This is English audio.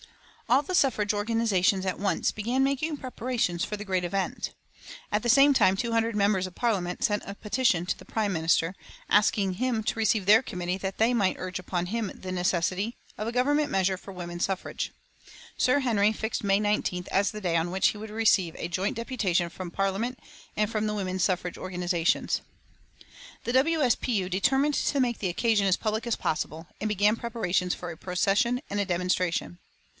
All the suffrage organisations at once began making preparations for the great event. At the same time two hundred members of Parliament sent a petition to the Prime Minister, asking him to receive their committee that they might urge upon him the necessity of a Government measure for woman suffrage. Sir Henry fixed May 19th as the day on which he would receive a joint deputation from Parliament and from the women's suffrage organisations. The W. S. P. U. determined to make the occasion as public as possible, and began preparations for a procession and a demonstration.